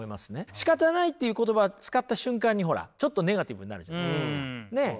しかたないという言葉使った瞬間にほらちょっとネガティブになるじゃないですか。ね。